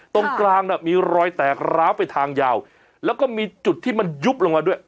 ตรงกลางน่ะมีรอยแตกร้าวไปทางยาวแล้วก็มีจุดที่มันยุบลงมาด้วย